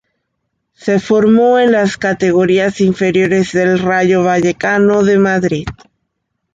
Se formó en las categorías inferiores del Rayo Vallecano de Madrid.